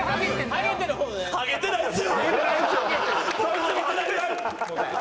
ハゲてないです。